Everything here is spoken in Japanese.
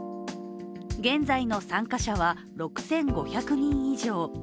現在の参加者は６５００人以上。